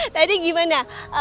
jadi ngapain aja